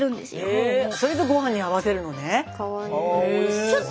それでご飯に合わせるのね。